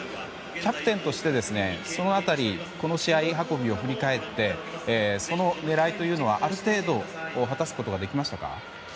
キャプテンとしてその辺りこの試合運びを振り返ってその狙いというのはある程度果たすことはできましたか？